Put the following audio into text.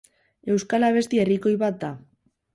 Euskal abesti herrikoi bat da.